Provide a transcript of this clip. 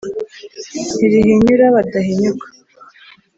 ntirihinyura badahinyuka